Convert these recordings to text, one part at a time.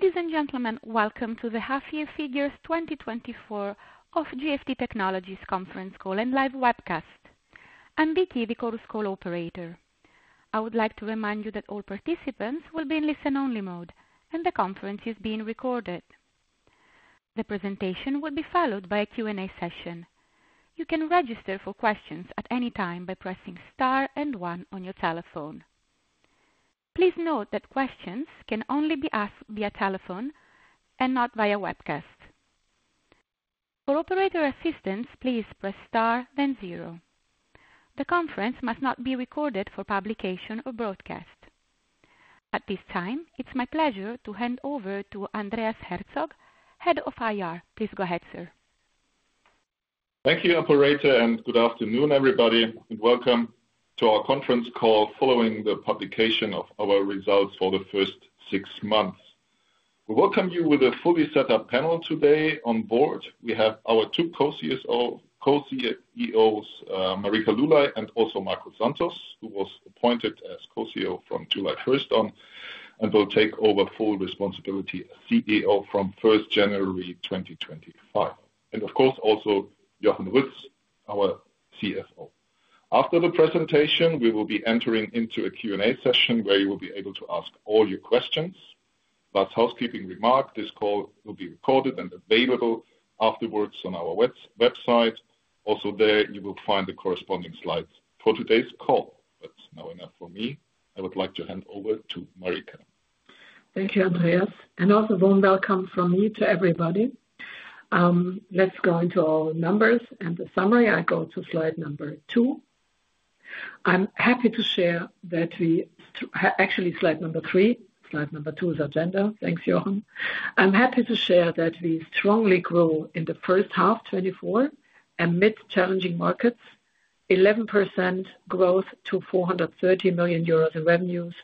Ladies and gentlemen, welcome to the half-year figures 2024 of GFT Technologies conference call and live webcast. I'm Vicky, the call's operator. I would like to remind you that all participants will be in listen-only mode, and the conference is being recorded. The presentation will be followed by a Q&A session. You can register for questions at any time by pressing star and one on your telephone. Please note that questions can only be asked via telephone and not via webcast. For operator assistance, please press star, then zero. The conference must not be recorded for publication or broadcast. At this time, it's my pleasure to hand over to Andreas Herzog, head of IR. Please go ahead, sir. Thank you, operator, and good afternoon, everybody, and welcome to our conference call following the publication of our results for the first six months. We welcome you with a fully set up panel today on board. We have our two co-CEOs, Marika Lulay and also Marco Santos, who was appointed as co-CEO from July 1 on, and will take over full responsibility as CEO from January 1, 2025. And of course, also Jochen Rütz, our CFO. After the presentation, we will be entering into a Q&A session, where you will be able to ask all your questions. Last housekeeping remark, this call will be recorded and available afterwards on our website. Also there, you will find the corresponding slides for today's call. That's now enough for me. I would like to hand over to Marika. Thank you, Andreas, and also warm welcome from me to everybody. Let's go into our numbers and the summary. I go to slide number 2. I'm happy to share that we actually, slide number 3. Slide number 2 is agenda. Thanks, Jochen Ruetz. I'm happy to share that we strongly grow in the first half 2024 amid challenging markets, 11% growth to 430 million euros in revenues,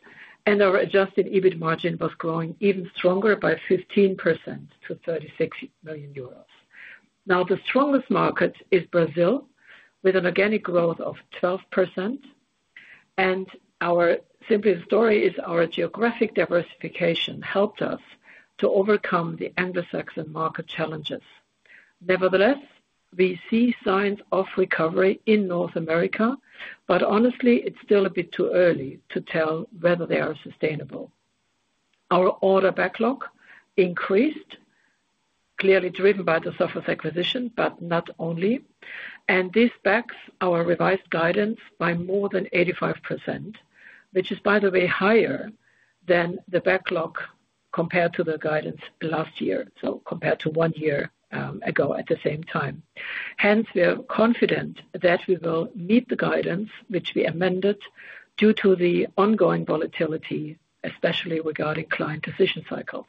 and our adjusted EBIT margin was growing even stronger by 15% to 36 million euros. Now, the strongest market is Brazil, with an organic growth of 12%. Our simplest story is our geographic diversification helped us to overcome the Anglo-Saxon market challenges. Nevertheless, we see signs of recovery in North America, but honestly, it's still a bit too early to tell whether they are sustainable. Our order backlog increased, clearly driven by the Sophos acquisition, but not only, and this backs our revised guidance by more than 85%, which is, by the way, higher than the backlog compared to the guidance last year, so compared to one year ago at the same time. Hence, we are confident that we will meet the guidance which we amended due to the ongoing volatility, especially regarding client decision cycles.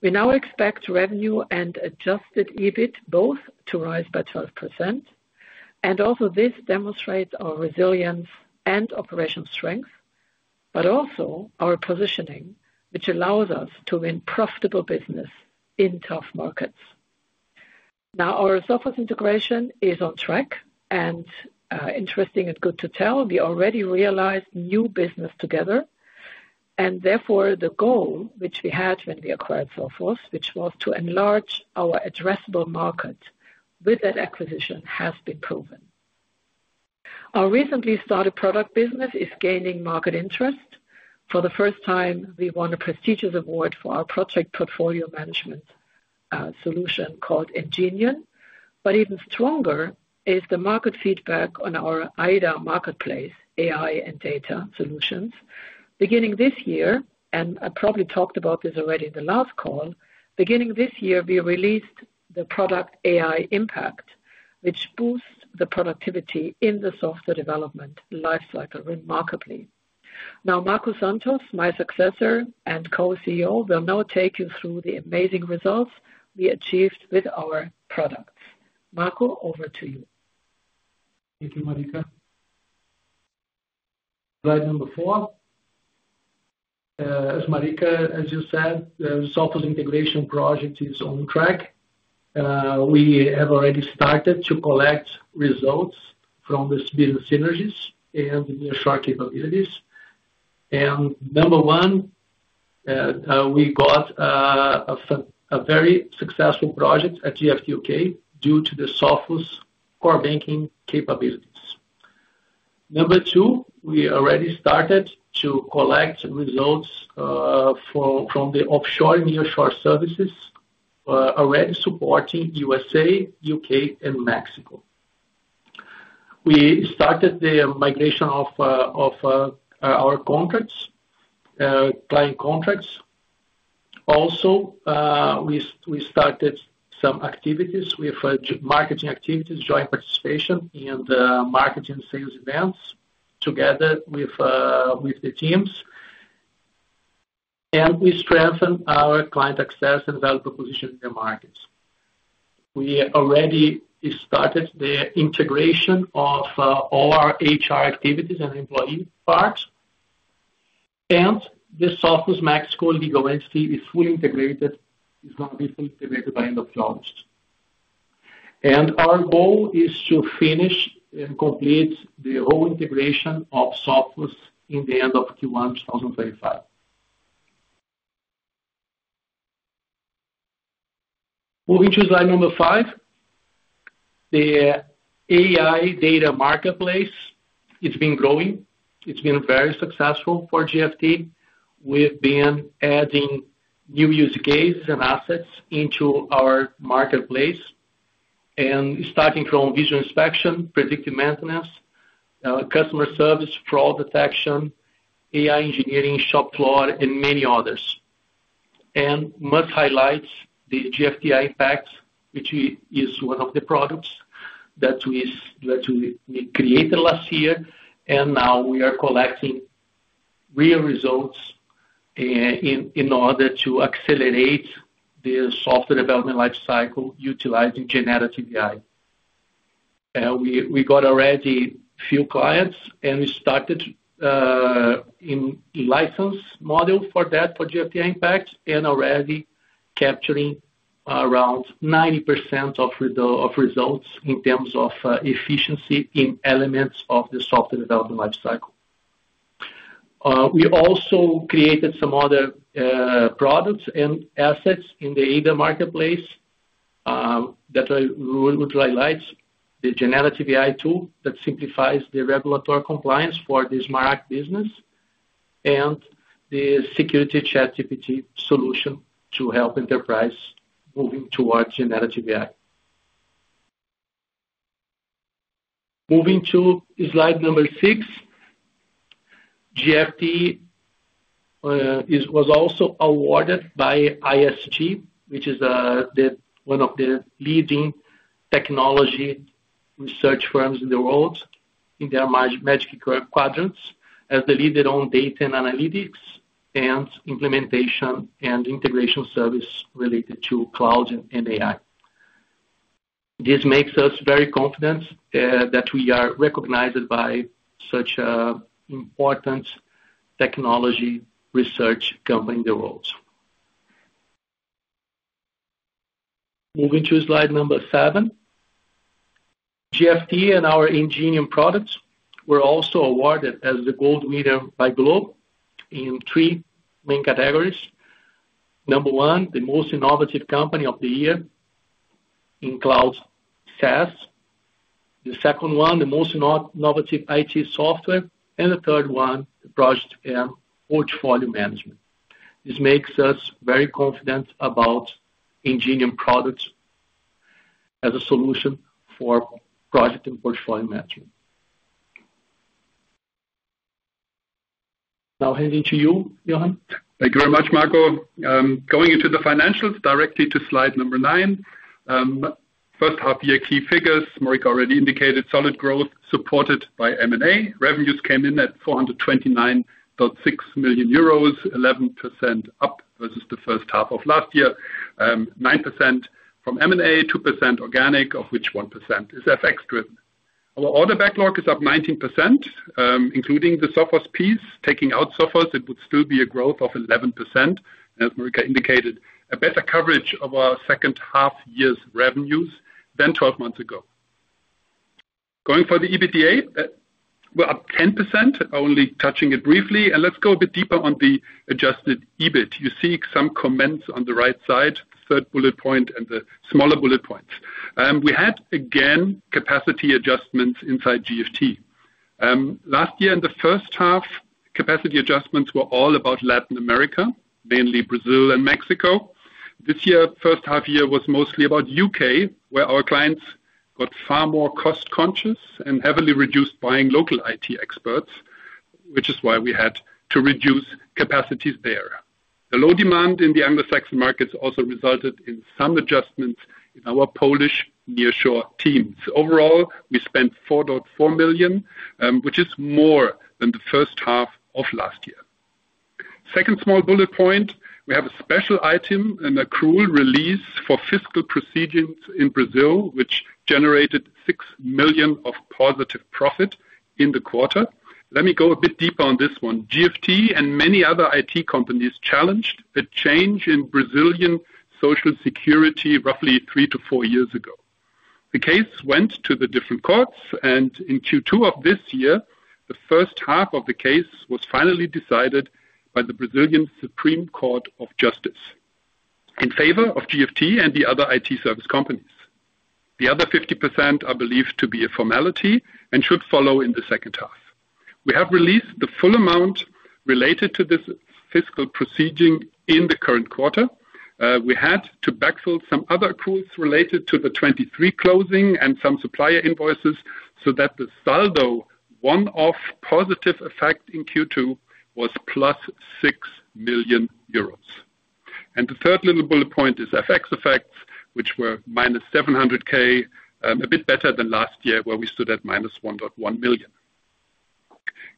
We now expect revenue and Adjusted EBIT both to rise by 12%, and also this demonstrates our resilience and operational strength, but also our positioning, which allows us to win profitable business in tough markets. Now, our Sophos integration is on track, and, interesting and good to tell, we already realized new business together, and therefore, the goal which we had when we acquired Sophos, which was to enlarge our addressable market with that acquisition, has been proven. Our recently started product business is gaining market interest. For the first time, we won a prestigious award for our project portfolio management solution called Ingenium. But even stronger is the market feedback on our AI.DA marketplace, AI and data solutions. Beginning this year, and I probably talked about this already in the last call, beginning this year, we released the product AI Impact, which boosts the productivity in the software development lifecycle remarkably. Now, Marco Santos, my successor and co-CEO, will now take you through the amazing results we achieved with our products. Marco, over to you. Thank you, Marika. Slide number four. As Marika, as you said, the Sophos integration project is on track. We have already started to collect results from this business synergies and the nearshore capabilities. And number one, we got a very successful project at GFT U.K. due to the Sophos core banking capabilities. Number two, we already started to collect results from the offshore and nearshore services already supporting U.S.A, U.K., and Mexico. We started the migration of our client contracts. Also, we started some activities with marketing activities, joint participation in the marketing sales events together with the teams. And we strengthened our client access and value proposition in the markets. We already started the integration of all our HR activities and employee parts, and the Sophos Mexico legal entity is fully integrated, is going to be fully integrated by end of August. Our goal is to finish and complete the whole integration of Sophos in the end of Q1 2025. Moving to slide number five. The AI data marketplace, it's been growing. It's been very successful for GFT. We've been adding new use cases and assets into our marketplace, and starting from visual inspection, predictive maintenance, customer service, fraud detection, AI engineering, shop floor, and many others. And must highlight the GFT Impact, which is one of the products that we created last year, and now we are collecting real results in order to accelerate the software development life cycle utilizing generative AI. We got already few clients, and we started in a license model for that, for GFT Impact, and already capturing around 90% of the results in terms of efficiency in elements of the software development life cycle. We also created some other products and assets in the AI.DA marketplace that I would like to highlight. The generative AI tool that simplifies the regulatory compliance for the smart business and the security ChatGPT solution to help enterprise moving towards generative AI. Moving to slide number 6. GFT was also awarded by ISG, which is one of the leading technology research firms in the world, in their Magic Quadrants, as the leader on data and analytics and implementation and integration service related to cloud and AI. This makes us very confident that we are recognized by such an important technology research company in the world. Moving to slide number seven. GFT and our Ingenium products were also awarded as the gold winner by Globee in three main categories. Number one, the most innovative company of the year in cloud SaaS. The second one, the most innovative IT software, and the third one, the project and portfolio management. This makes us very confident about Ingenium products as a solution for project and portfolio management. Now heading to you, Jochen. Thank you very much, Marco. Going into the financials directly to slide number 9. First half year key figures, Marika already indicated solid growth supported by M&A. Revenues came in at 429.6 million euros, 11% up versus the first half of last year, 9% from M&A, 2% organic, of which 1% is FX driven. Our order backlog is up 19%, including the Sophos piece. Taking out Sophos, it would still be a growth of 11%. As Marika indicated, a better coverage of our second half year's revenues than twelve months ago. Going for the EBITDA, we're up 10%, only touching it briefly, and let's go a bit deeper on the adjusted EBIT. You see some comments on the right side, third bullet point and the smaller bullet points. We had, again, capacity adjustments inside GFT. Last year in the first half, capacity adjustments were all about Latin America, mainly Brazil and Mexico. This year, first half year, was mostly about U.K., where our clients got far more cost conscious and heavily reduced buying local IT experts, which is why we had to reduce capacities there. The low demand in the Anglo-Saxon markets also resulted in some adjustments in our Polish nearshore teams. Overall, we spent 4.4 million, which is more than the first half of last year. Second small bullet point, we have a special item and accrual release for fiscal proceedings in Brazil, which generated 6 million of positive profit in the quarter. Let me go a bit deeper on this one. GFT and many other IT companies challenged a change in Brazilian Social Security roughly 3-4 years ago. The case went to the different courts, and in Q2 of this year, the first half of the case was finally decided by the Brazilian Supreme Court of Justice in favor of GFT and the other IT service companies. The other 50% are believed to be a formality and should follow in the second half. We have released the full amount related to this fiscal proceeding in the current quarter. We had to backfill some other accruals related to the 2023 closing and some supplier invoices, so that the saldo, one-off positive effect in Q2 was +6 million euros. The third little bullet point is FX effects, which were -700,000, a bit better than last year, where we stood at -1.1 million.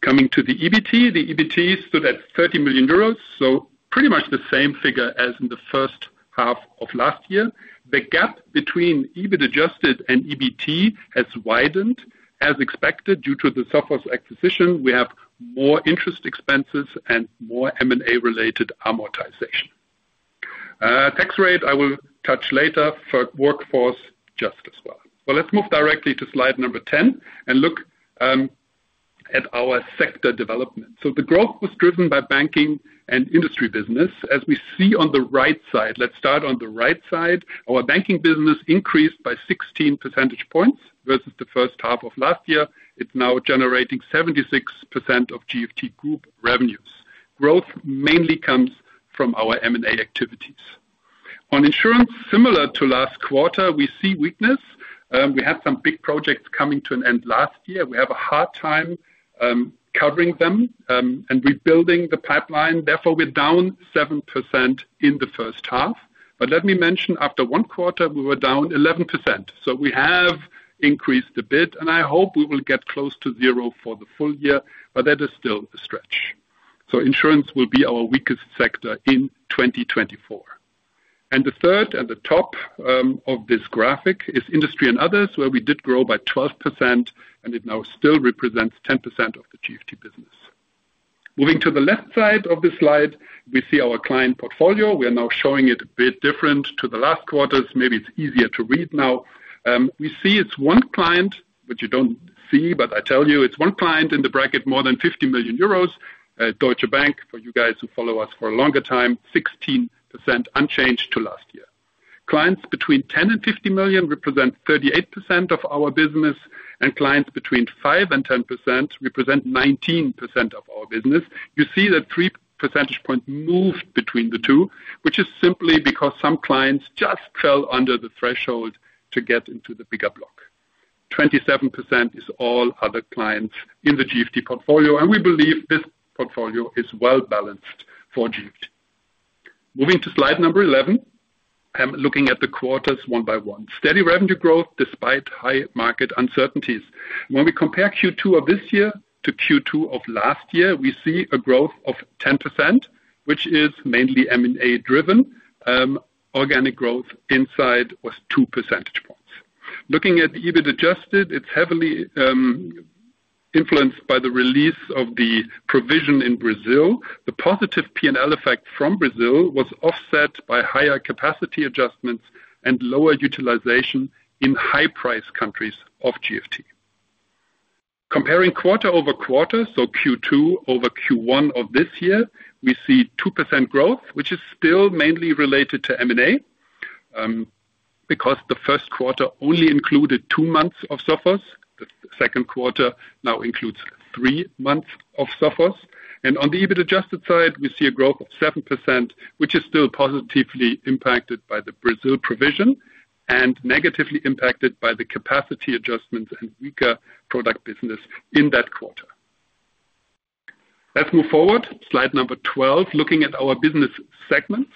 Coming to the EBT. The EBT stood at 30 million euros, so pretty much the same figure as in the first half of last year. The gap between EBIT adjusted and EBT has widened. As expected, due to the Sophos acquisition, we have more interest expenses and more M&A-related amortization. Tax rate, I will touch later, for workforce just as well. So let's move directly to slide number 10 and look at our sector development. So the growth was driven by banking and industry business. As we see on the right side, let's start on the right side. Our banking business increased by 16 percentage points versus the first half of last year. It's now generating 76% of GFT Group revenues. Growth mainly comes from our M&A activities. On insurance, similar to last quarter, we see weakness. We had some big projects coming to an end last year. We have a hard time covering them and rebuilding the pipeline. Therefore, we're down 7% in the first half. But let me mention, after one quarter, we were down 11%, so we have increased a bit, and I hope we will get close to zero for the full year, but that is still a stretch. So insurance will be our weakest sector in 2024. And the third and the top of this graphic is industry and others, where we did grow by 12% and it now still represents 10% of the GFT business. Moving to the left side of this slide, we see our client portfolio. We are now showing it a bit different to the last quarters. Maybe it's easier to read now. We see it's one client, which you don't see, but I tell you it's one client in the bracket, more than 50 million euros. Deutsche Bank, for you guys who follow us for a longer time, 16%, unchanged to last year. Clients between 10 and 50 million represent 38% of our business, and clients between five and 10 million represent 19% of our business. You see that 3 percentage points moved between the two, which is simply because some clients just fell under the threshold to get into the bigger block. 27% is all other clients in the GFT portfolio, and we believe this portfolio is well balanced for GFT. Moving to slide number 11, I'm looking at the quarters one by one. Steady revenue growth despite high market uncertainties. When we compare Q2 of this year to Q2 of last year, we see a growth of 10%, which is mainly M&A driven. Organic growth inside was 2 percentage points. Looking at EBIT adjusted, it's heavily influenced by the release of the provision in Brazil. The positive P&L effect from Brazil was offset by higher capacity adjustments and lower utilization in high price countries of GFT. Comparing quarter-over-quarter, so Q2 over Q1 of this year, we see 2% growth, which is still mainly related to M&A, because the Q1 only included two months of Sophos. The Q2 now includes three months of Sophos, and on the EBIT adjusted side, we see a growth of 7%, which is still positively impacted by the Brazil provision and negatively impacted by the capacity adjustments and weaker product business in that quarter. Let's move forward. Slide number 12, looking at our business segments.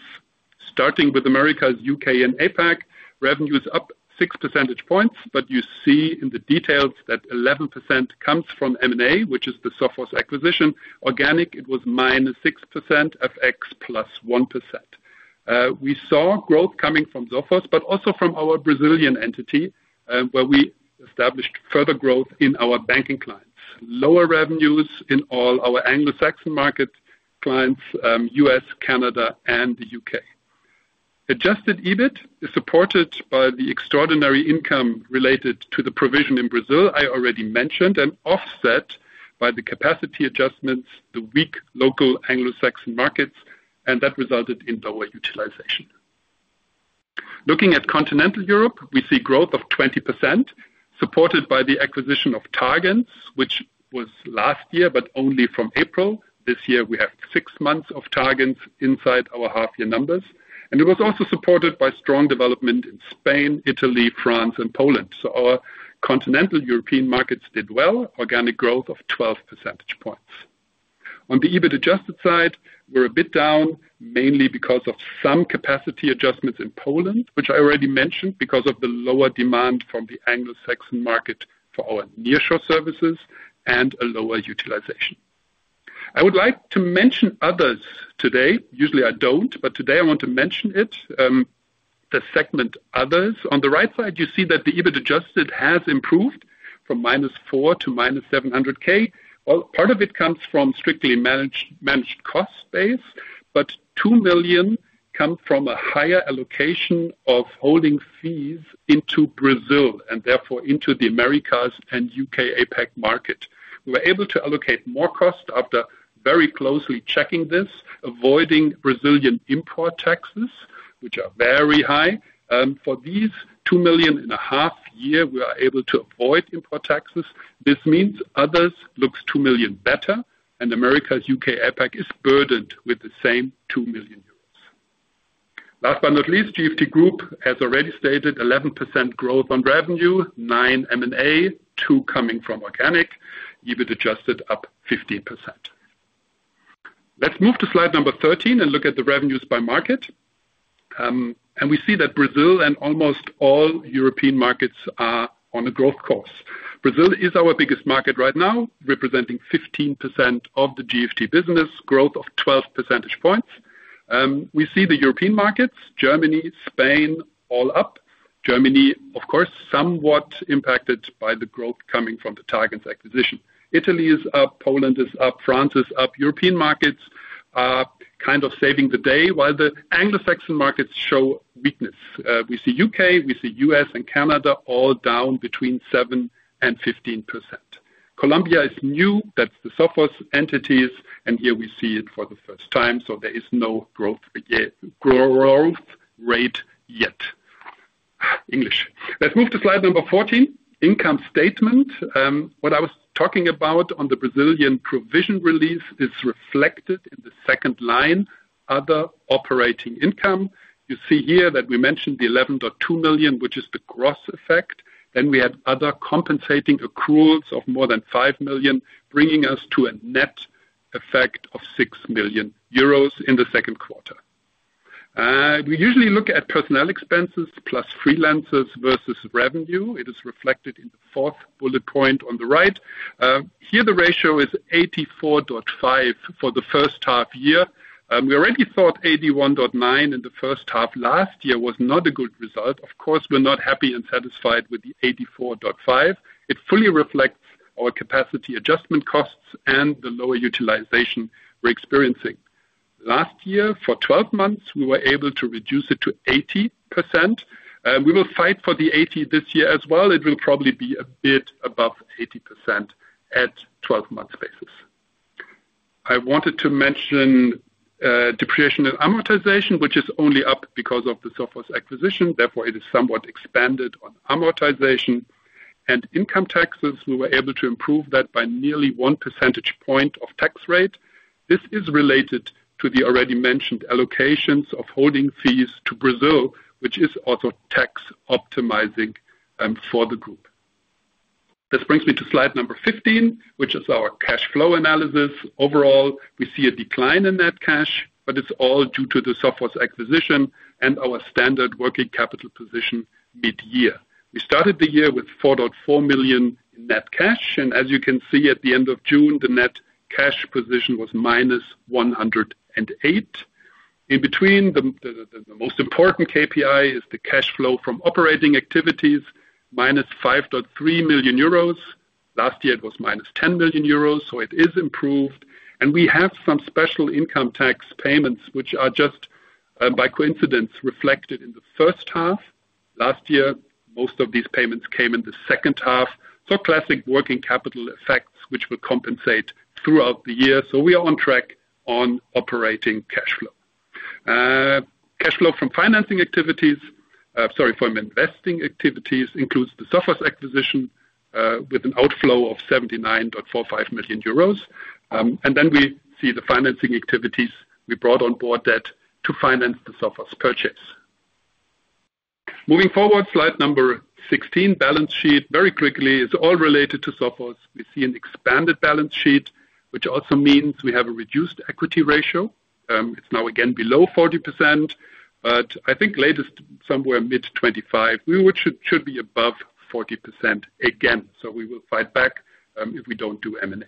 Starting with Americas, U.K. and APAC, revenue is up 6 percentage points, but you see in the details that 11% comes from M&A, which is the Sophos acquisition. Organic, it was -6%, FX +1%. We saw growth coming from Sophos, but also from our Brazilian entity, where we established further growth in our banking clients. Lower revenues in all our Anglo-Saxon market clients, U.S., Canada, and the U.K. Adjusted EBIT is supported by the extraordinary income related to the provision in Brazil I already mentioned, and offset by the capacity adjustments, the weak local Anglo-Saxon markets, and that resulted in lower utilization. Looking at continental Europe, we see growth of 20%, supported by the acquisition of Targens, which was last year, but only from April. This year, we have six months of Targens inside our half year numbers, and it was also supported by strong development in Spain, Italy, France and Poland. So our continental European markets did well. Organic growth of 12 percentage points. On the Adjusted EBIT side, we're a bit down, mainly because of some capacity adjustments in Poland, which I already mentioned, because of the lower demand from the Anglo-Saxon market for our nearshore services and a lower utilization. I would like to mention others today. Usually I don't, but today I want to mention it, the segment, others. On the right side, you see that the Adjusted EBIT has improved from -4 to -700K. Well, part of it comes from strictly managed, managed cost base, but 2 million come from a higher allocation of holding fees into Brazil and therefore into the Americas and U.K. APAC market. We were able to allocate more cost after very closely checking this, avoiding Brazilian import taxes, which are very high. For these 2 million and a half year, we are able to avoid import taxes. This means others looks 2 million better, and Americas, U.K,. APAC is burdened with the same 2 million euros. Last but not least, GFT Group has already stated 11% growth on revenue, 9 M&A, 2 coming from organic, EBIT adjusted up 15%. Let's move to slide number 13 and look at the revenues by market. And we see that Brazil and almost all European markets are on a growth course. Brazil is our biggest market right now, representing 15% of the GFT business, growth of 12 percentage points. We see the European markets, Germany, Spain, all up. Germany, of course, somewhat impacted by the growth coming from the Target acquisition. Italy is up, Poland is up, France is up. European markets are kind of saving the day, while the Anglo-Saxon markets show weakness. We see U.K., we see U.S. and Canada all down between 7%-15%. Colombia is new. That's the Sophos entities, and here we see it for the first time, so there is no growth yet, growth rate yet. Let's move to slide number 14, income statement. What I was talking about on the Brazilian provision release is reflected in the second line, other operating income. You see here that we mentioned the 11.2 million, which is the gross effect. Then we had other compensating accruals of more than 5 million, bringing us to a net effect of 6 million euros in the Q2. We usually look at personnel expenses plus freelancers versus revenue. It is reflected in the fourth bullet point on the right. Here, the ratio is 84.5% for the first half year. We already thought 81.9% in the first half last year was not a good result. Of course, we're not happy and satisfied with the 84.5%. It fully reflects our capacity adjustment costs and the lower utilization we're experiencing. Last year, for 12 months, we were able to reduce it to 80%. We will fight for the 80% this year as well. It will probably be a bit above 80% at 12 months basis. I wanted to mention, depreciation and amortization, which is only up because of the Sophos acquisition. Therefore, it is somewhat expanded on amortization and income taxes. We were able to improve that by nearly 1 percentage point of tax rate. This is related to the already mentioned allocations of holding fees to Brazil, which is also tax optimizing, for the group. This brings me to slide number 15, which is our cash flow analysis. Overall, we see a decline in net cash, but it's all due to the Sophos acquisition and our standard working capital position mid-year. We started the year with 4.4 million in net cash, and as you can see, at the end of June, the net cash position was -108 million. In between, the most important KPI is the cash flow from operating activities, -5.3 million euros. Last year, it was -10 million euros, so it is improved. And we have some special income tax payments, which are just by coincidence, reflected in the first half. Last year, most of these payments came in the second half, so classic working capital effects, which will compensate throughout the year. So we are on track on operating cash flow. Cash flow from financing activities, sorry, from investing activities, includes the Sophos acquisition, with an outflow of -79.45 million euros. And then we see the financing activities we brought on board that to finance the Sophos purchase. Moving forward, slide 16, balance sheet. Very quickly, it's all related to Sophos. We see an expanded balance sheet, which also means we have a reduced equity ratio. It's now again below 40%, but I think latest, somewhere mid-25, we should be above 40% again. So we will fight back, if we don't do M&A.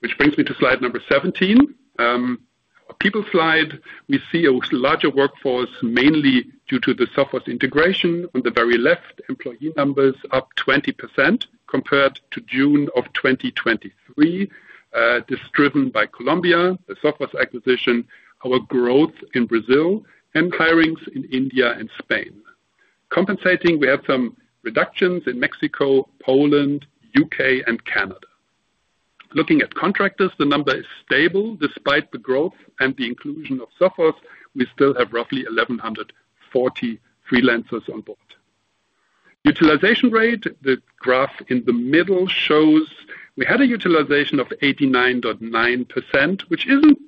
Which brings me to slide 17. Our people slide, we see a larger workforce, mainly due to the Sophos integration. On the very left, employee numbers up 20% compared to June 2023. This is driven by Colombia, the Sophos acquisition, our growth in Brazil, and hirings in India and Spain. Compensating, we have some reductions in Mexico, Poland, U.K., and Canada. Looking at contractors, the number is stable. Despite the growth and the inclusion of Sophos, we still have roughly 1,140 freelancers on board. Utilization rate, the graph in the middle shows we had a utilization of 89.9%, which isn't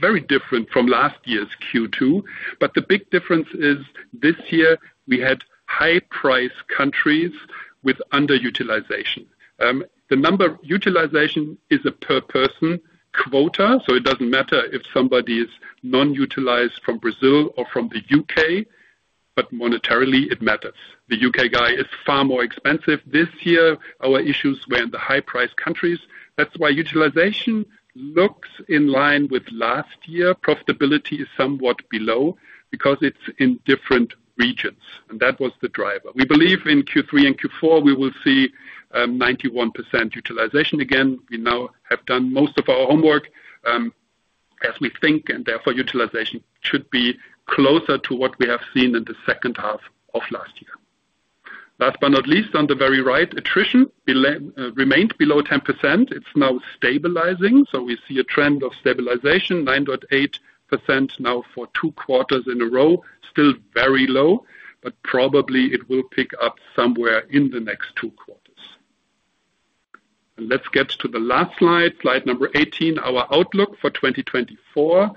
very different from last year's Q2. But the big difference is this year we had high price countries with underutilization. The number, utilization is a per person quota, so it doesn't matter if somebody is non-utilized from Brazil or from the U.K., but monetarily it matters. The U.K. guy is far more expensive. This year, our issues were in the high price countries. That's why utilization looks in line with last year. Profitability is somewhat below because it's in different regions, and that was the driver. We believe in Q3 and Q4, we will see 91% utilization again. We now have done most of our homework, as we think, and therefore, utilization should be closer to what we have seen in the second half of last year. Last but not least, on the very right, attrition remained below 10%. It's now stabilizing, so we see a trend of stabilization. 9.8% now for two quarters in a row, still very low, but probably it will pick up somewhere in the next two quarters. Let's get to the last slide, slide number 18, our outlook for 2024.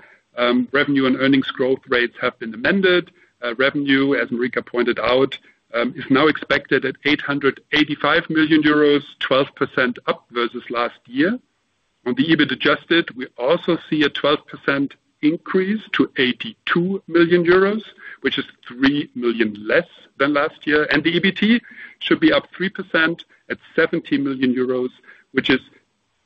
Revenue and earnings growth rates have been amended. Revenue, as Marika pointed out, is now expected at 885 million euros, 12% up versus last year. On the EBIT adjusted, we also see a 12% increase to 82 million euros, which is 3 million less than last year. The EBT should be up 3% at 70 million euros, which is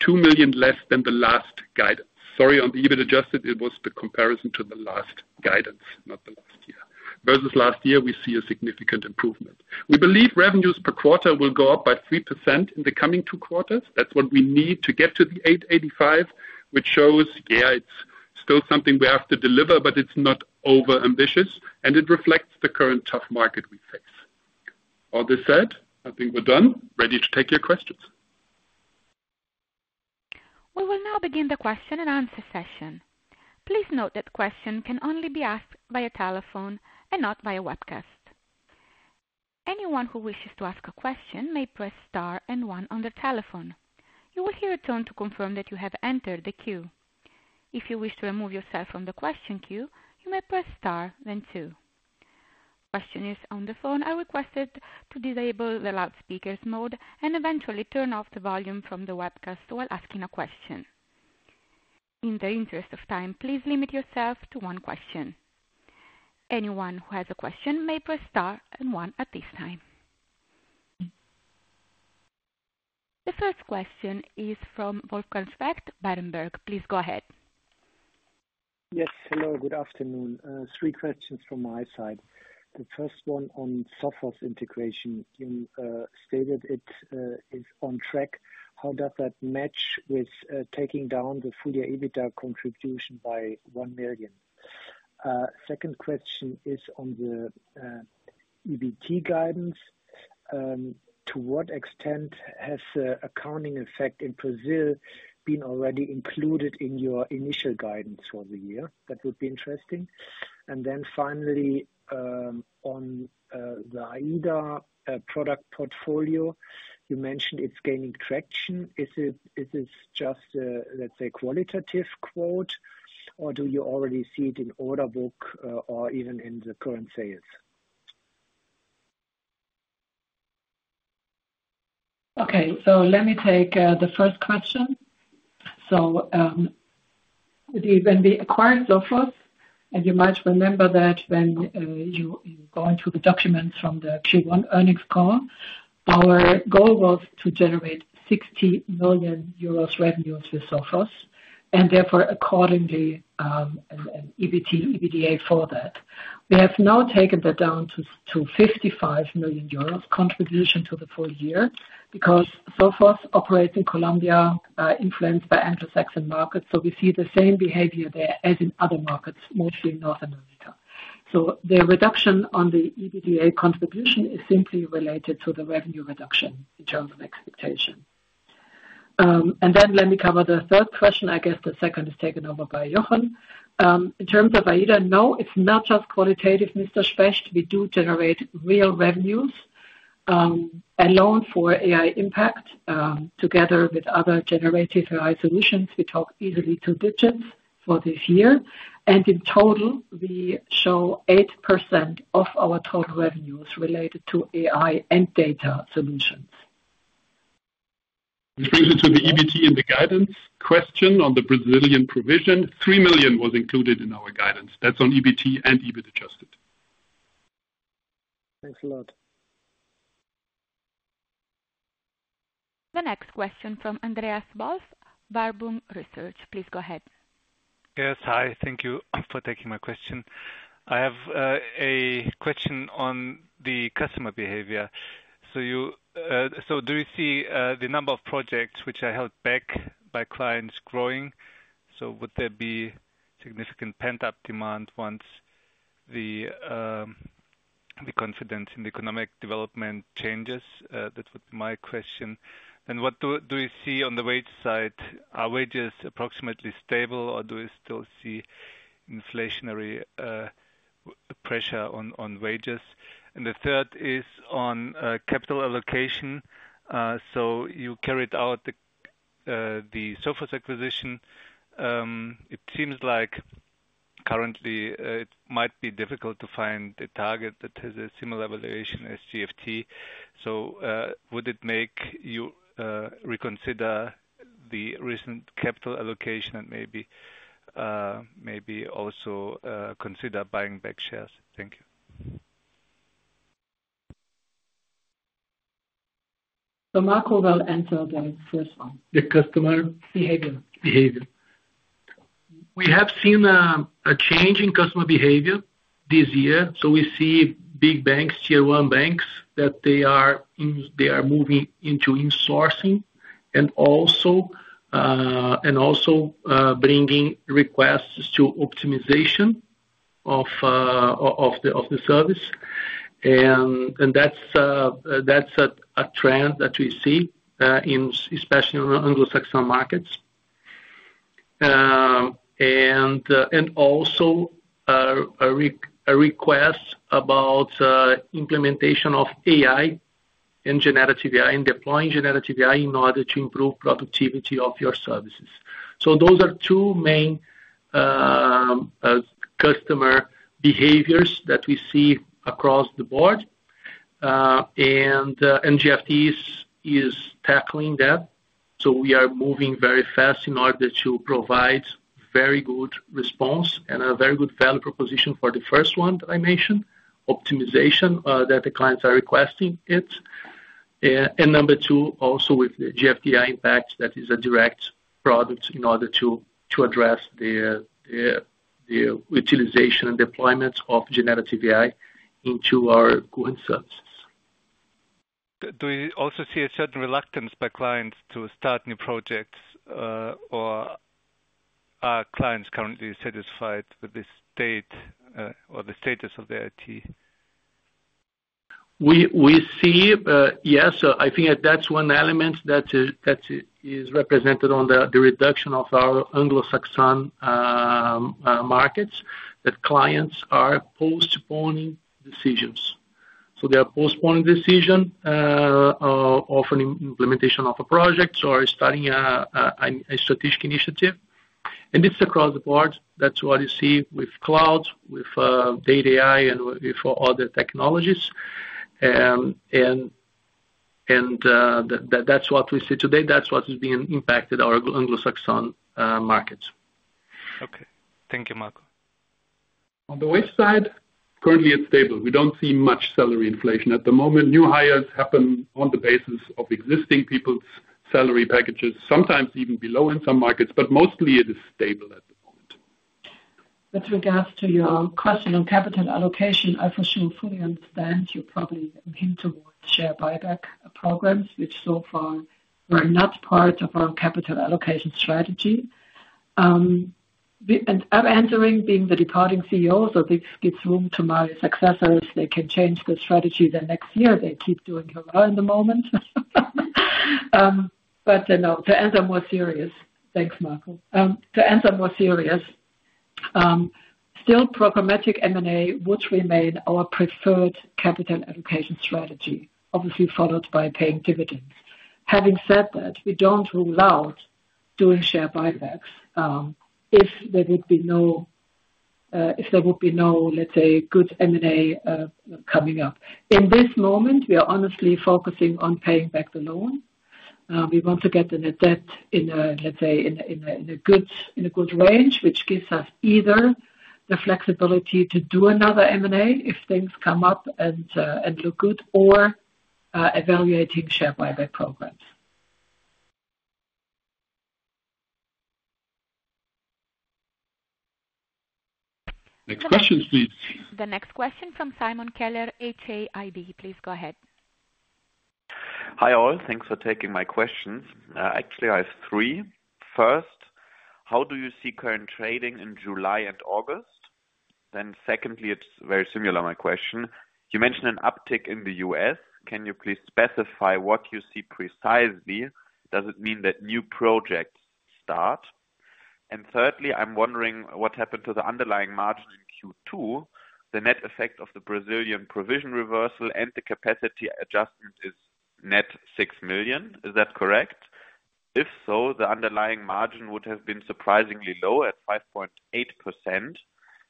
2 million less than the last guidance. Sorry, on the EBIT adjusted, it was the comparison to the last guidance, not the last year. Versus last year, we see a significant improvement. We believe revenues per quarter will go up by 3% in the coming two quarters. That's what we need to get to the 885, which shows, yeah, it's still something we have to deliver, but it's not overambitious, and it reflects the current tough market we face. All this said, I think we're done. Ready to take your questions. We will now begin the Q&A session. Please note that questions can only be asked via telephone and not via webcast. Anyone who wishes to ask a question may press star and one on their telephone. You will hear a tone to confirm that you have entered the queue. If you wish to remove yourself from the question queue, you may press star, then two. Questioners on the phone are requested to disable the loudspeakers mode and eventually turn off the volume from the webcast while asking a question. In the interest of time, please limit yourself to one question. Anyone who has a question may press star and one at this time. The first question is from Wolfgang Specht, Berenberg. Please go ahead. Yes, hello, good afternoon. Three questions from my side. The first one on Sophos integration. You stated it is on track. How does that match with taking down the full-year EBITDA contribution by 1 million? Second question is on the EBT guidance. To what extent has the accounting effect in Brazil been already included in your initial guidance for the year? That would be interesting. And then finally, on the AIDA product portfolio, you mentioned it's gaining traction. Is it, is this just a, let's say, qualitative quote, or do you already see it in order book, or even in the current sales? Okay, so let me take the first question. So, when we acquired Sophos, and you might remember that when you go into the documents from the Q1 earnings call, our goal was to generate 60 million euros revenue with Sophos, and therefore accordingly, an EBIT, EBITDA for that. We have now taken that down to 55 million euros contribution to the full year, because Sophos operates in Colombia, influenced by Anglo-Saxon markets, so we see the same behavior there as in other markets, mostly in North America. So the reduction on the EBITDA contribution is simply related to the revenue reduction in terms of expectation. And then let me cover the third question. I guess the second is taken over by Jochen. In terms of AI.DA, no, it's not just qualitative, Mr. Specht. We do generate real revenues, alone for AI Impact, together with other generative AI solutions, we talk easily two digits for this year, and in total, we show 8% of our total revenues related to AI and data solutions. Which brings me to the EBT and the guidance question on the Brazilian provision. 3 million was included in our guidance. That's on EBT and EBIT adjusted. Thanks a lot. The next question from Andreas Wolf, Warburg Research. Please go ahead. Yes. Hi, thank you for taking my question. I have a question on the customer behavior. So do you see the number of projects which are held back by clients growing? So would there be significant pent-up demand once the confidence in the economic development changes? That would be my question. And what do you see on the wage side? Are wages approximately stable, or do you still see inflationary pressure on wages? And the third is on capital allocation. So you carried out the Sophos acquisition. It seems like currently it might be difficult to find a target that has a similar valuation as GFT. So would it make you reconsider the recent capital allocation and maybe also consider buying back shares? Thank you. Marco will answer the first one. The customer? Behavior. Behavior. We have seen a change in customer behavior this year. So we see big banks, tier one banks, that they are in, they are moving into insourcing and also, and also, bringing requests to optimization of the service. And that's a trend that we see especially in Anglo-Saxon markets. And also, a request about implementation of AI and generative AI, and deploying generative AI in order to improve productivity of your services. So those are two main customer behaviors that we see across the board. And GFT is tackling that. So we are moving very fast in order to provide. Very good response and a very good value proposition for the first one that I mentioned, optimization, that the clients are requesting it. And number two, also with the GFT Impact, that is a direct product in order to, to address the, the utilization and deployment of generative AI into our current services. Do you also see a certain reluctance by clients to start new projects, or are clients currently satisfied with the state, or the status of their IT? We see, yes, I think that's one element that is represented on the reduction of our Anglo-Saxon markets, that clients are postponing decisions. So they are postponing decision of an implementation of a project or starting a strategic initiative. And this is across the board. That's what you see with cloud, with data AI and with for other technologies. And that's what we see today. That's what is being impacted, our Anglo-Saxon markets. Okay. Thank you, Marco. On the wage side, currently it's stable. We don't see much salary inflation. At the moment, new hires happen on the basis of existing people's salary packages, sometimes even below in some markets, but mostly it is stable at the moment. With regards to your question on capital allocation, I for sure fully understand you probably mean share buyback programs, which so far were not part of our capital allocation strategy. I'm entering, being the departing CEO, so this gives room to my successors. They can change the strategy the next year. They keep doing well in the moment. You know, to answer more serious, thanks, Marco. Still programmatic M&A, which remain our preferred capital allocation strategy, obviously followed by paying dividends. Having said that, we don't rule out doing share buybacks, if there would be no, let's say, good M&A coming up. In this moment, we are honestly focusing on paying back the loan. We want to get the net debt in a good range, let's say, which gives us either the flexibility to do another M&A if things come up and look good, or evaluating share buyback programs. Next question, please. The next question from Simon Keller, HAID. Please go ahead. Hi, all. Thanks for taking my questions. Actually, I have three. First, how do you see current trading in July and August? Then secondly, it's very similar, my question: You mentioned an uptick in the U.S. Can you please specify what you see precisely? Does it mean that new projects start? And thirdly, I'm wondering what happened to the underlying margin in Q2, the net effect of the Brazilian provision reversal and the capacity adjustment is net 6 million. Is that correct? If so, the underlying margin would have been surprisingly low at 5.8%.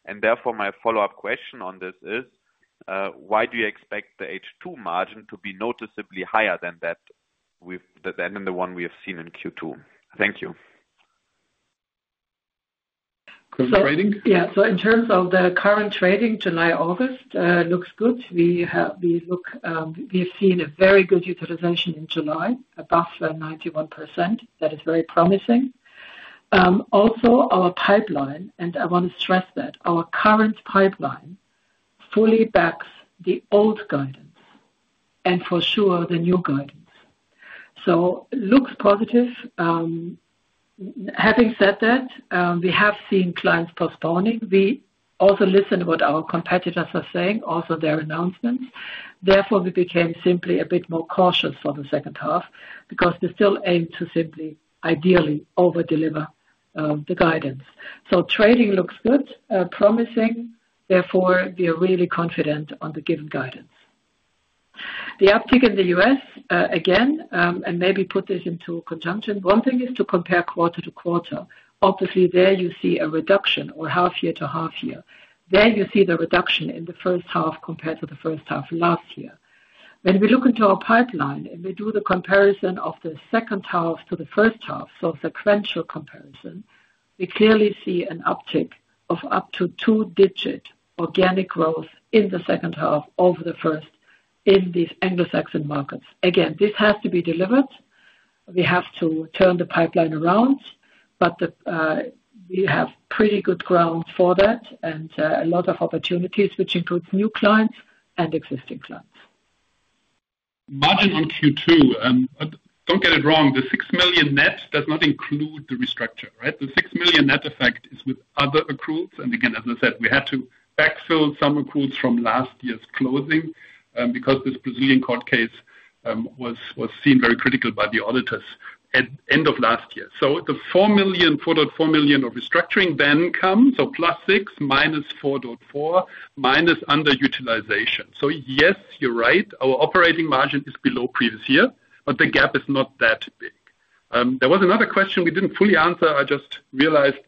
And therefore, my follow-up question on this is, why do you expect the H2 margin to be noticeably higher than that with, than the one we have seen in Q2? Thank you. Current trading? Yeah. So in terms of the current trading, July, August, looks good. We have we look, we've seen a very good utilization in July, above 91%. That is very promising. Also our pipeline, and I want to stress that, our current pipeline fully backs the old guidance and for sure, the new guidance. So looks positive. Having said that, we have seen clients postponing. We also listen to what our competitors are saying, also their announcements. Therefore, we became simply a bit more cautious for the second half because we still aim to simply, ideally over-deliver, the guidance. So trading looks good, promising. Therefore, we are really confident on the given guidance. The uptick in the U.S., again, and maybe put this into conjunction. One thing is to compare quarter to quarter. Obviously, there you see a reduction or half year to half year. There you see the reduction in the first half compared to the first half last year. When we look into our pipeline and we do the comparison of the second half to the first half, so sequential comparison, we clearly see an uptick of up to two-digit organic growth in the second half over the first in these Anglo-Saxon markets. Again, this has to be delivered. We have to turn the pipeline around, but the, we have pretty good ground for that and, a lot of opportunities, which includes new clients and existing clients. Margin on Q2, don't get it wrong, the 6 million net does not include the restructure, right? The 6 million net effect is with other accruals. And again, as I said, we had to backfill some accruals from last year's closing, because this Brazilian court case was seen very critical by the auditors at end of last year. So the 4 million, 4.4 million of restructuring then comes, so plus 6, minus 4.4, minus underutilization. So yes, you're right, our operating margin is below previous year, but the gap is not that big. There was another question we didn't fully answer. I just realized,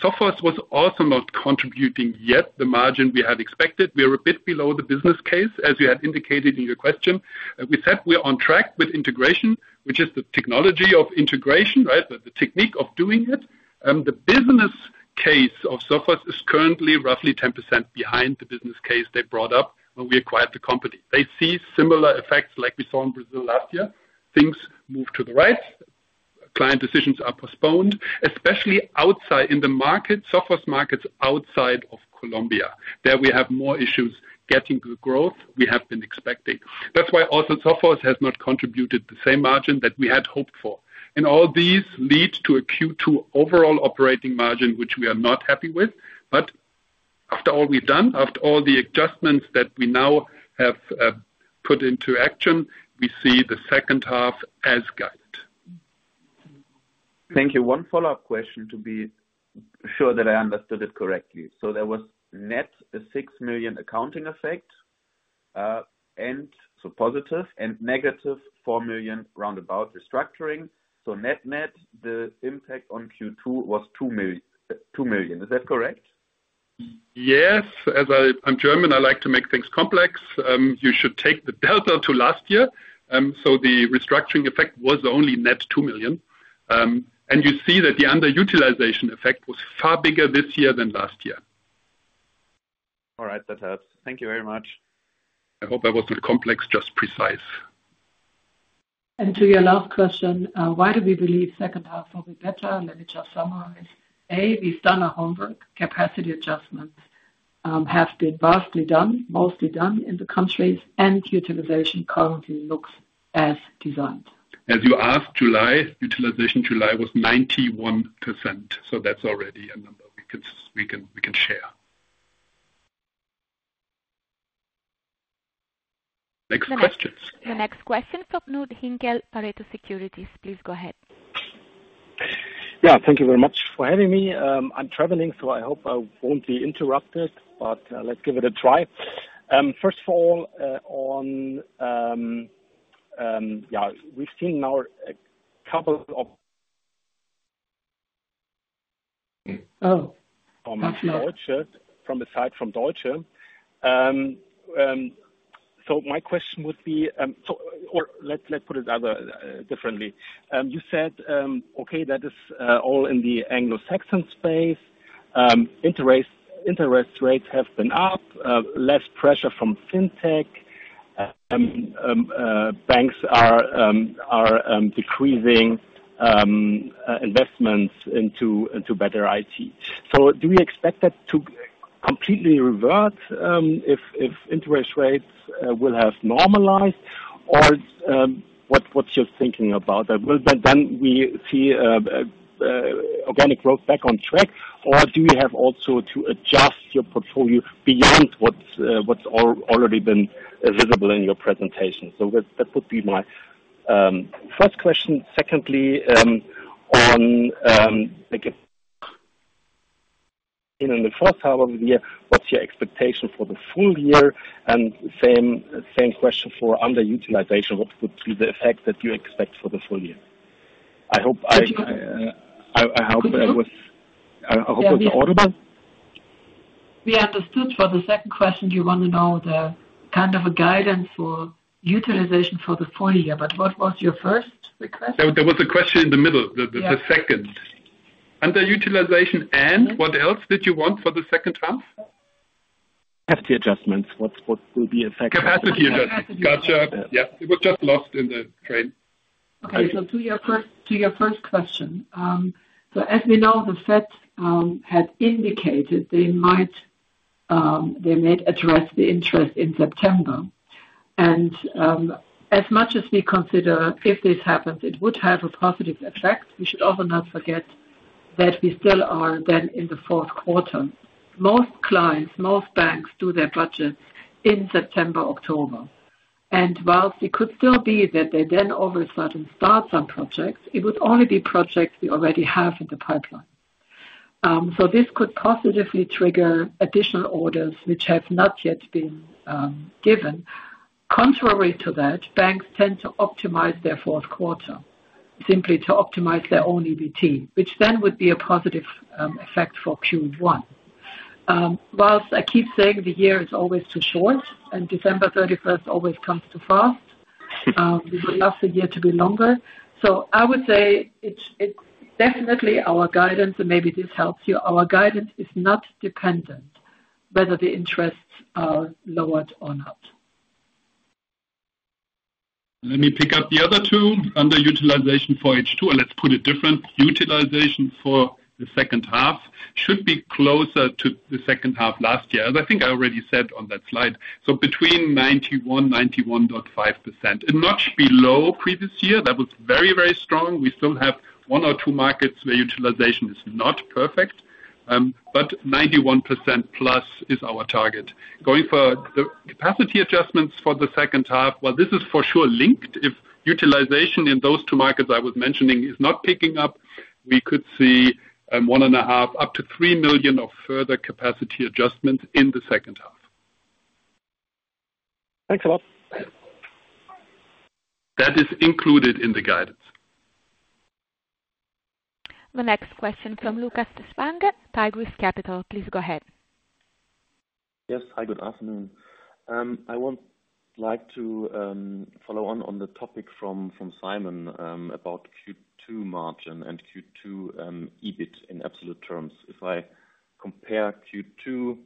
Software was also not contributing yet the margin we had expected. We are a bit below the business case, as you had indicated in your question. We said we are on track with integration, which is the technology of integration, right? The, the technique of doing it. The business integration case of Sophos is currently roughly 10% behind the business case they brought up when we acquired the company. They see similar effects like we saw in Brazil last year. Things move to the right, client decisions are postponed, especially outside in the market, Sophos markets outside of Colombia. There we have more issues getting the growth we have been expecting. That's why also, Sophos has not contributed the same margin that we had hoped for. And all these lead to a Q2 overall operating margin, which we are not happy with. But after all we've done, after all the adjustments that we now have put into action, we see the second half as guided. Thank you. One follow-up question to be sure that I understood it correctly. So there was net, a 6 million accounting effect, and so positive and negative 4 million roundabout restructuring. So net-net, the impact on Q2 was 2 million, 2 million. Is that correct? Yes. As I, I'm German, I like to make things complex. You should take the delta to last year. So the restructuring effect was only net 2 million. And you see that the underutilization effect was far bigger this year than last year. All right, that helps. Thank you very much. I hope I was not complex, just precise. And to your last question, why do we believe second half will be better? Let me just summarize. A, we've done our homework. Capacity adjustments have been vastly done, mostly done in the countries, and utilization currently looks as designed. As you asked, July utilization was 91%, so that's already a number we can share. Next questions. The next question from Knut Henkel, Pareto Securities. Please go ahead. Yeah, thank you very much for having me. I'm traveling, so I hope I won't be interrupted, but let's give it a try. First of all, yeah, we've seen now a couple of- Oh. From Deutsche, from the side from Deutsche. So my question would be, so, or let's put it differently. You said, okay, that is all in the Anglo-Saxon space. Interest rates have been up, less pressure from Fintech. Banks are decreasing investments into better IT. So do we expect that to completely revert, if interest rates will have normalized? Or, what's your thinking about that? Will then we see organic growth back on track, or do you have also to adjust your portfolio beyond what's already been visible in your presentation? So that would be my first question. Secondly, on, like in the first half of the year, what's your expectation for the full year? And same, same question for underutilization. What would be the effect that you expect for the full year? I hope I, I hope I was- Yeah, we- I hope I was audible. We understood. For the second question, do you want to know the kind of a guidance for utilization for the full year, but what was your first request? There was a question in the middle, the second. Yeah. Underutilization, and what else did you want for the second half? Capacity adjustments, what will be effect? Capacity adjustments. Capacity. Gotcha. Yeah, it was just lost in the train. Okay, so to your first question. So as we know, the Fed had indicated they might address the interest in September. And, as much as we consider, if this happens, it would have a positive effect, we should also not forget that we still are then in the Q4. Most clients, most banks, do their budgets in September, October. And whilst it could still be that they then all of a sudden start some projects, it would only be projects we already have in the pipeline. So this could positively trigger additional orders which have not yet been given. Contrary to that, banks tend to optimize their Q4, simply to optimize their own EBT, which then would be a positive effect for Q1. While I keep saying the year is always too short and December 31st always comes too fast, we would love the year to be longer. So I would say it's definitely our guidance, and maybe this helps you. Our guidance is not dependent whether the interests are lowered or not. Let me pick up the other two. Underutilization for H2, and let's put it different. Utilization for the second half should be closer to the second half last year, as I think I already said on that slide. So between 91%-91.5%, and much below previous year. That was very, very strong. We still have 1 or 2 markets where utilization is not perfect, but 91% plus is our target. Going for the capacity adjustments for the second half, well, this is for sure linked. If utilization in those two markets I was mentioning is not picking up, we could see 1.5 million-3 million of further capacity adjustments in the second half. Thanks a lot. That is included in the guidance. The next question from Lucas Spang, Tigris Capital. Please go ahead. Yes. Hi, good afternoon. I would like to follow on the topic from Simon about Q2 margin and Q2 EBIT in absolute terms. If I compare Q2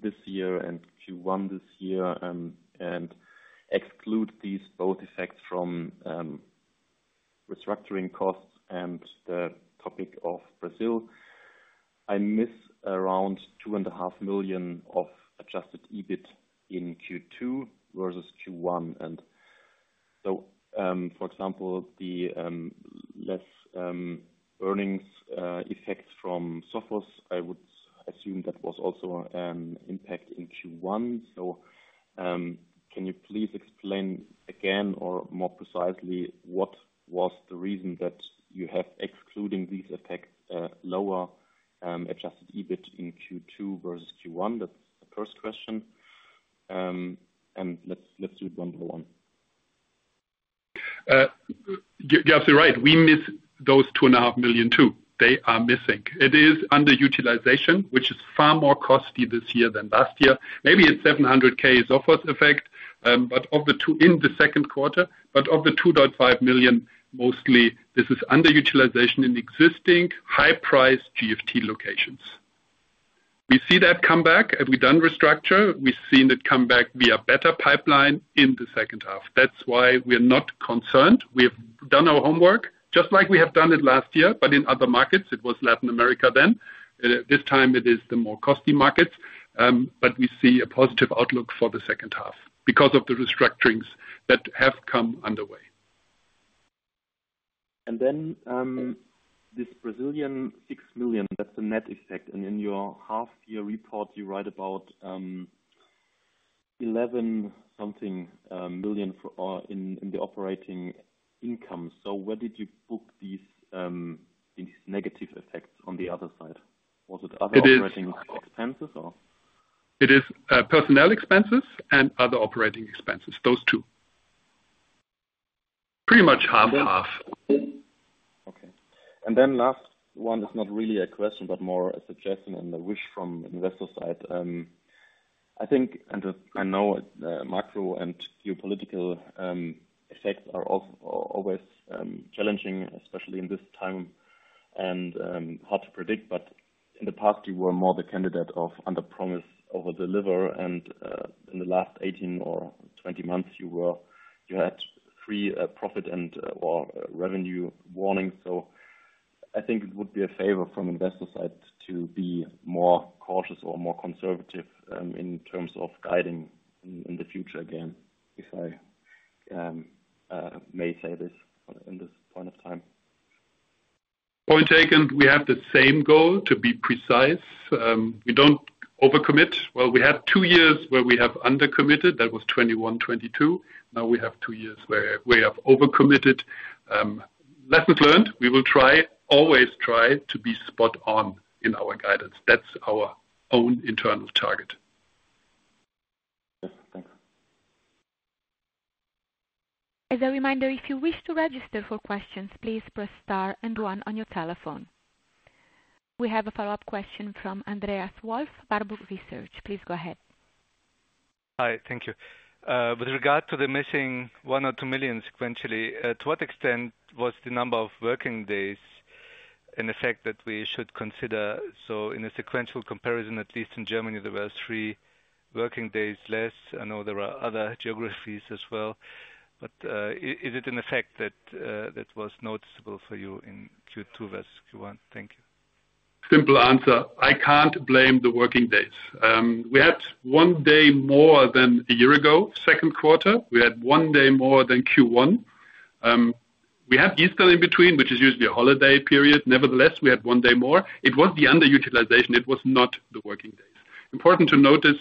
this year and Q1 this year and exclude these both effects from restructuring costs and the topic of Brazil, I miss around 2.5 million of Adjusted EBIT in Q2 versus Q1. And so, for example, the less earnings effects from Sophos, I would assume that was also impact in Q1. So, can you please explain again, or more precisely, what was the reason that you have excluding these effects lower Adjusted EBIT in Q2 versus Q1? That's the first question. And let's do it one by one. You're absolutely right. We miss those 2.5 million, too. They are missing. It is underutilization, which is far more costly this year than last year. Maybe it's 700,000 Sophos effect, but of the two in the Q2, but of the 2.5 million, mostly this is underutilization in existing high-priced GFT locations. We see that come back, and we've done restructure. We've seen it come back via better pipeline in the second half. That's why we are not concerned. We have done our homework, just like we have done it last year, but in other markets. It was Latin America then, and at this time it is the more costly markets. But we see a positive outlook for the second half because of the restructurings that have come underway. And then, this Brazilian 6 million, that's the net effect. And in your half year report, you write about 11 something million for the operating income. So where did you book these these negative effects on the other side? Was it other- It is- Operating expenses, or? It is, personnel expenses and other operating expenses, those two. Pretty much half and half. Okay. And then last one is not really a question, but more a suggestion and a wish from investor side. I think, and I know, macro and geopolitical effects are always challenging, especially in this time, and hard to predict, but in the past you were more the candidate of underpromise, overdeliver, and in the last 18 or 20 months, you had three profit or revenue warning. So I think it would be a favor from investor side to be more cautious or more conservative in terms of guiding in the future again, if I may say this in this point of time. Point taken. We have the same goal, to be precise. We don't overcommit. Well, we had two years where we have undercommitted. That was 2021, 2022. Now we have two years where we have overcommitted. Lessons learned, we will try, always try, to be spot on in our guidance. That's our own internal target. Yes. Thanks. As a reminder, if you wish to register for questions, please press star and one on your telephone. We have a follow-up question from Andreas Wolf, Warburg Research. Please go ahead. Hi, thank you. With regard to the missing 1 million-2 million sequentially, to what extent was the number of working days an effect that we should consider? So in a sequential comparison, at least in Germany, there were 3 working days less. I know there are other geographies as well, but is it an effect that that was noticeable for you in Q2 vs. Q1? Thank you. Simple answer, I can't blame the working days. We had one day more than a year ago. Q2, we had one day more than Q1. We had Easter in between, which is usually a holiday period. Nevertheless, we had one day more. It was the underutilization; it was not the working days. Important to notice,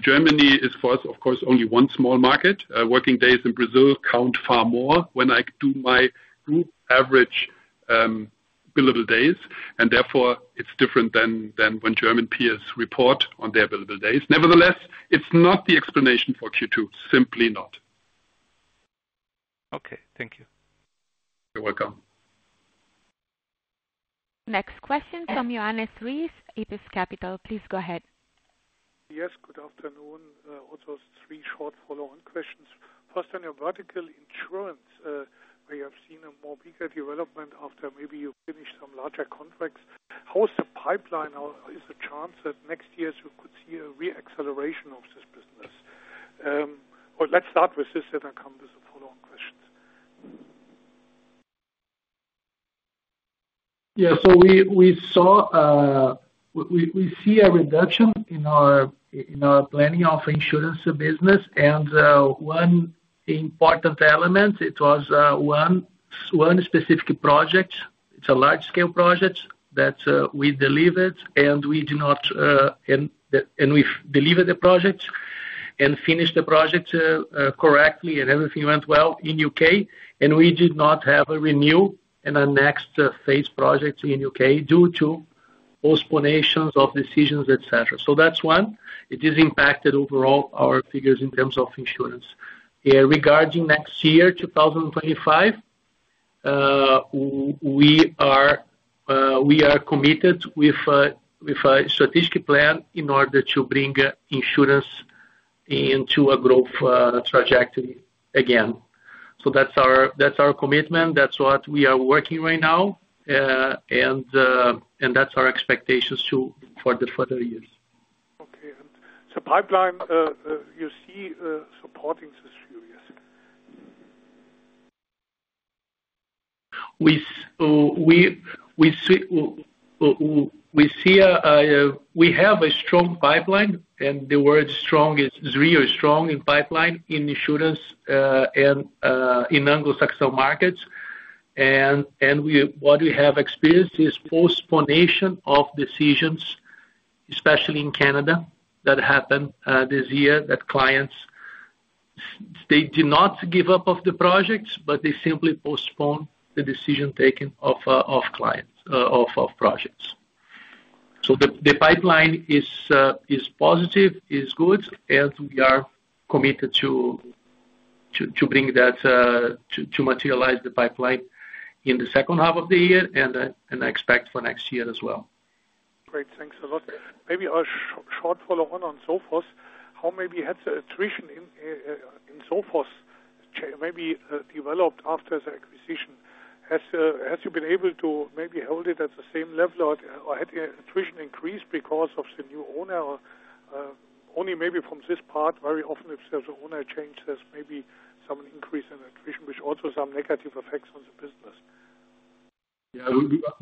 Germany is, for us, of course, only one small market. Working days in Brazil count far more when I do my group average, billable days, and therefore, it's different than when German peers report on their billable days. Nevertheless, it's not the explanation for Q2. Simply not. Okay, thank you. You're welcome. Next question from Johannes Ries, Epiphany Capital. Please go ahead. Yes, good afternoon. Also three short follow-on questions. First, on your vertical insurance, where you have seen a more bigger development after maybe you finished some larger contracts, how is the pipeline? Or is the chance that next year we could see a re-acceleration of this business? But let's start with this, and I come with the follow-on questions. Yeah. So we see a reduction in our planning of insurance business. And one important element, it was one specific project. It's a large-scale project that we delivered. And we've delivered the project and finished the project correctly, and everything went well in U.K., and we did not have a renewal in the next phase project in U.K. due to postponements of decisions, et cetera. So that's one. It has impacted overall our figures in terms of insurance. Regarding next year, 2025, we are committed with a strategic plan in order to bring insurance into a growth trajectory again. So that's our commitment. That's what we are working right now. That's our expectations, too, for the further years. Okay. And so pipeline, you see, supporting this view, yes? We see a, we have a strong pipeline, and the word strong is really strong in pipeline, in insurance, and in Anglo-Saxon markets. And what we have experienced is postponement of decisions, especially in Canada. That happened this year, that clients they did not give up of the projects, but they simply postponed the decision-taking of clients of projects. So the pipeline is positive, is good, and we are committed to bring that to materialize the pipeline in the second half of the year and I expect for next year as well. Great. Thanks a lot. Maybe a short follow-on on Sophos. How maybe has the attrition in Sophos developed after the acquisition? Has has you been able to maybe hold it at the same level, or or has the attrition increased because of the new owner? Or only maybe from this part, very often if there's an owner change, there's maybe some increase in attrition, which also some negative effects on the business. Yeah,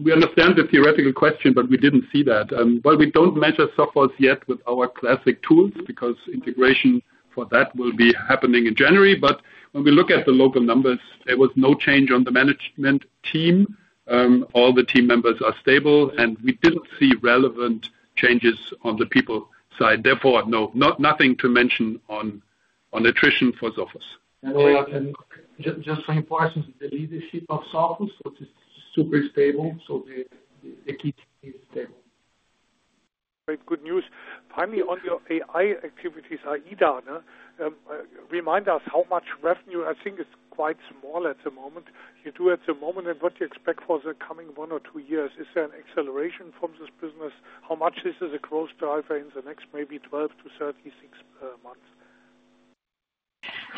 we understand the theoretical question, but we didn't see that. But we don't measure Sophos yet with our classic tools, because integration for that will be happening in January. But when we look at the local numbers, there was no change on the management team. All the team members are stable, and we didn't see relevant changes on the people side. Therefore, no, nothing to mention on attrition for Sophos. Just to reinforce, the leadership of Sophos was super stable, so the key is stable. Great, good news. Finally, on your AI activities, AI.DA, remind us how much revenue you do at the moment, I think it's quite small at the moment, and what you expect for the coming one or two years. Is there an acceleration from this business? How much is it a growth driver in the next maybe 12 months-36 months?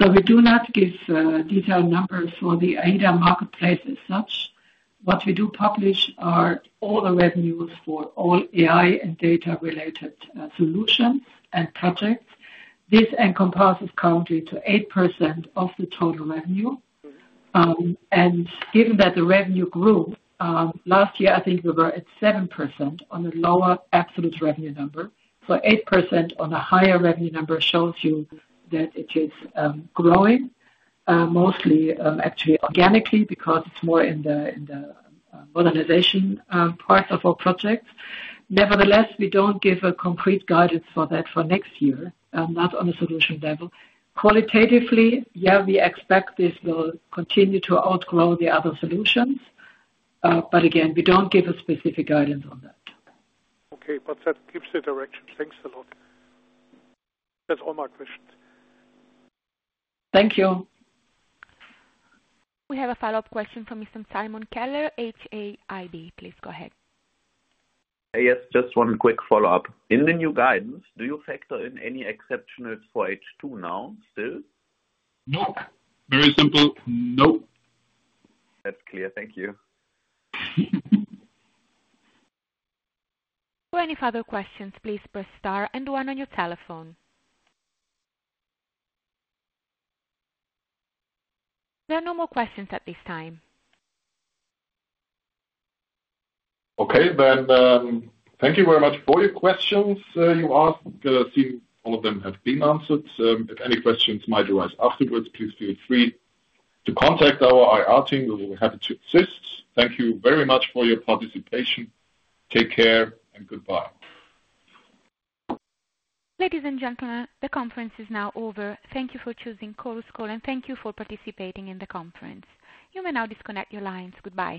So we do not give detailed numbers for the AI.DA marketplace as such. What we do publish are all the revenues for all AI and data-related solutions and projects. This encompasses currently to 8% of the total revenue. And given that the revenue grew last year, I think we were at 7% on a lower absolute revenue number. So 8% on a higher revenue number shows you that it is growing mostly actually organically, because it's more in the modernization part of our project. Nevertheless, we don't give a concrete guidance for that for next year, not on a solution level. Qualitatively, yeah, we expect this will continue to outgrow the other solutions, but again, we don't give a specific guidance on that. Okay, but that gives a direction. Thanks a lot. That's all my questions. Thank you. We have a follow-up question from Mr. Simon Keller, HAID. Please go ahead. Yes, just one quick follow-up. In the new guidance, do you factor in any exceptional for H2 now, still? No. Very simple, no. That's clear. Thank you. For any further questions, please press star and one on your telephone. There are no more questions at this time. Okay. Then, thank you very much for your questions. I think all of them have been answered. If any questions might arise afterwards, please feel free to contact our IR team, we will be happy to assist. Thank you very much for your participation. Take care and goodbye. Ladies and gentlemen, the conference is now over. Thank you for choosing Chorus Call, and thank you for participating in the conference. You may now disconnect your lines. Goodbye.